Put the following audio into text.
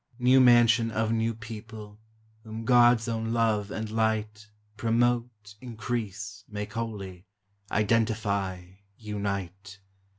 New mansion of new people, Whom God's own love and light Promote, increase, make holy, Identify, unite!